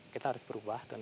kita harus berubah